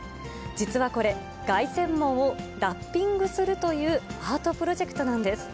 実はこれ、凱旋門をラッピングするというアートプロジェクトなんです。